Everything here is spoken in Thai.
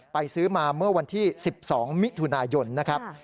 ซื้อมาเมื่อวันที่๑๒มิถุนายนนะครับ